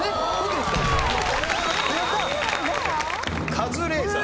カズレーザー。